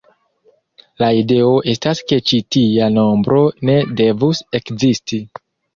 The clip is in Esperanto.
La ideo estas ke ĉi tia nombro ne devus ekzisti.